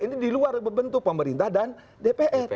ini di luar bentuk pemerintah dan dpr